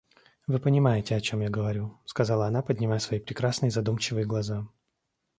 Вы понимаете, о чем я говорю, — сказала она, поднимая свои прекрасные задумчивые глаза.